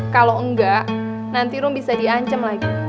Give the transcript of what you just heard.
kalau enggak nanti rum bisa diancam lagi